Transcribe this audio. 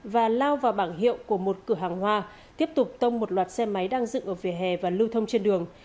và lao vào bảng hiệu của một cửa hàng hoa tiếp tục tông một loạt xe máy đang dựng ở vỉa hè và lưu thông trên đường